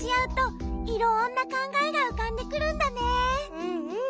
うんうん。